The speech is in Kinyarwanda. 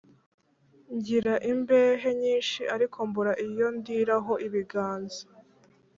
Ngira imbehe nyinshi ariko mbura iyo ndiraho-Ibiganza.